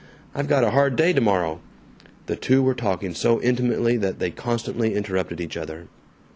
I've got a hard day tomorrow," the two were talking so intimately that they constantly interrupted each other.